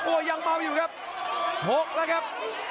โอ้ยยังเบาอยู่ครับ๖แล้วครับ๗